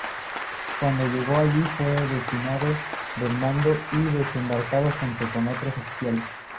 Cuando llegó allí fue destituido del mando y desembarcado junto con otros oficiales.